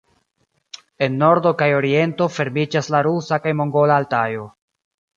En nordo kaj oriento fermiĝas la rusa kaj mongola Altajo.